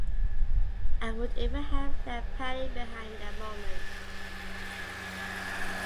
I would even have left Pattie behind in that moment.